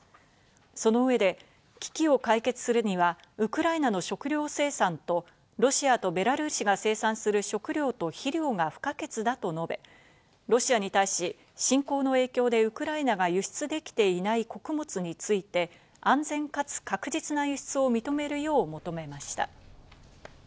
その上で危機を解決するにはウクライナの食糧生産とロシアとベラルーシが生産する食料と肥料が不可欠だと述べ、ロシアに対し侵攻の影響でウクライナが輸出できていない穀物について、安全かつ確実な輸出を認めるよう求めました。